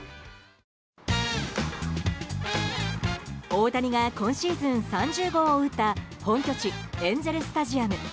大谷が今シーズン３０号を打った本拠地エンゼル・スタジアム。